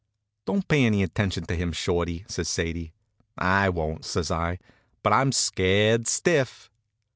"Don't pay any attention to him, Shorty," says Sadie. "I won't," says I; "but I'm scared stiff."